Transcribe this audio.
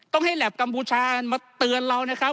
ต้องให้แหลปกัมพูชามาเตือนเรานะครับ